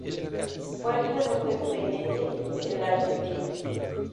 Fue el creador del sainete en la Argentina.